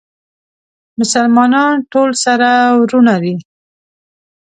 مسلمانان ټول سره وروڼه دي